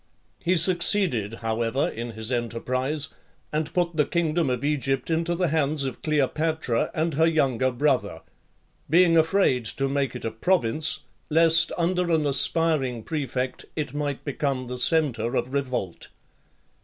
He succeeded, however, in his enterprise, and put the kingdom of Egypt into the hands of Cleopatra and her younger brother; being afraid to make it a province, lest, under an aspiring prefect, it might become the centre of revolt.